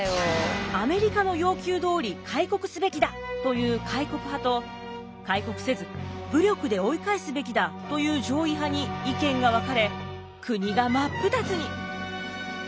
アメリカの要求どおり開国すべきだという開国派と開国せず武力で追い返すべきだという攘夷派に意見が分かれ国が真っ二つに。